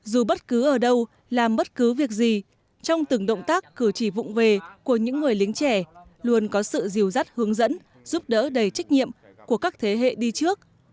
dù bất cứ ở đâu làm bất cứ việc gì trong từng động tác cử chỉ vụn về của những người lính trẻ luôn có sự dìu dắt hướng dẫn giúp đỡ đầy trách nhiệm của các thế hệ đi trước